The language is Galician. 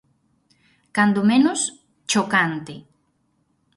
Cando menos, 'chocante'.